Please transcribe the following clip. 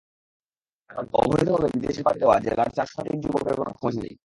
কারণ, অবৈধভাবে বিদেশে পাড়ি দেওয়া জেলার চার শতাধিক যুবকের কোনো খোঁজ নেই।